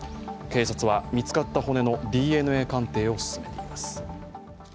警察は見つかった骨のＤＮＡ鑑定を進めています。